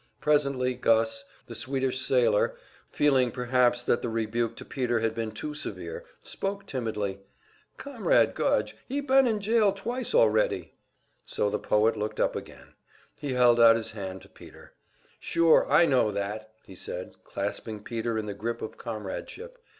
Presently Gus, the Swedish sailor, feeling perhaps that the rebuke to Peter had been too severe, spoke timidly: "Comrade Gudge, he ban in jail twice already." So the poet looked up again. He held out his hand to Peter. "Sure, I know that!" he said, clasping Peter in the grip of comradeship.